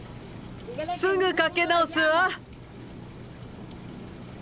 すぐかけ直すわ。